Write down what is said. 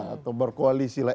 atau berkoalisi lah